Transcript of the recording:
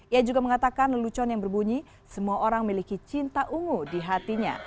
ia juga mengatakan lelucon yang berbunyi semua orang memiliki cinta ungu di hatinya